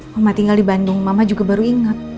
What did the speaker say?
mama tinggal di bandung mama juga baru ingat